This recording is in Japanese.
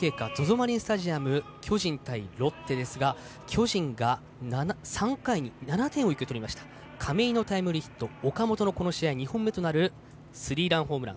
マリンスタジアム巨人対ロッテ巨人が３回に７点を入れました亀井のタイムリーヒット岡本の２本目のスリーランホームラン。